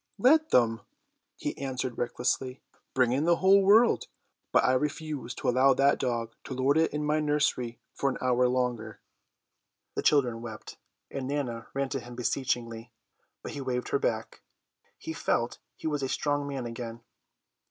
"Let them!" he answered recklessly. "Bring in the whole world. But I refuse to allow that dog to lord it in my nursery for an hour longer." The children wept, and Nana ran to him beseechingly, but he waved her back. He felt he was a strong man again.